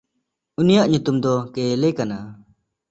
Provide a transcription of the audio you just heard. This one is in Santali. ᱩᱱᱤᱭᱟᱜ ᱧᱩᱛᱩᱢ ᱫᱚ ᱠᱮᱭᱞᱮ ᱠᱟᱱᱟ᱾